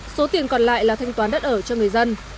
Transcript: số tiền còn lại là thanh toán đất ở cho người dân